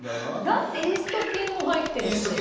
だってイースト菌も入ってるし。